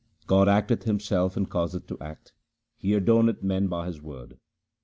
God acteth Himself and causeth to act ; He adorneth men by His word.